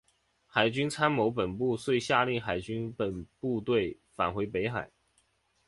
海军参谋本部遂下令海军部队返回北海。